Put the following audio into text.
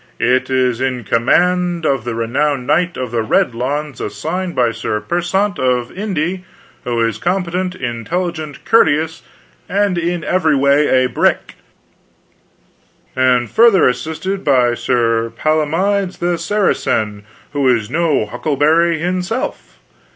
It is in com and of the renowned Knight of the Red Lawns, assissted by Sir Persant of Inde, who is compete9t. intelligent, courte ous, and in every way a brick, and fur tHer assisted by Sir Palamides the Sara cen, who is no huckleberry hinself.